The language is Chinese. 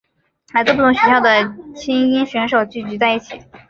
来自不同学校的菁英选手聚集在一起。